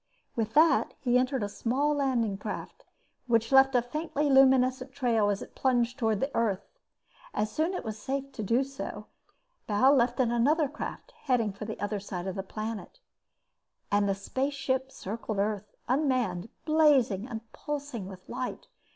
With that he entered a small landing craft, which left a faintly luminescent trail as it plunged toward Earth. As soon as it was safe to do so, Bal left in another craft, heading for the other side of the planet. And the spaceship circled Earth, unmanned, blazing and pulsing with light.